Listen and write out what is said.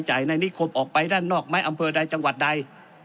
ใจหน้าหนี้ครบออกไปด้านนอกไม้อำเภาใดจังหวัดใด